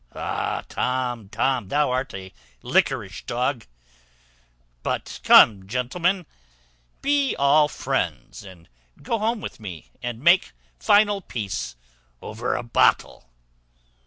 Ah, Tom, Tom, thou art a liquorish dog. But come, gentlemen, be all friends, and go home with me, and make final peace over a bottle."